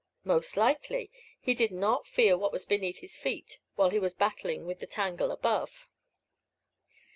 Most likely, he did not feel what was beneath his feet, while he was battling with the tangle above.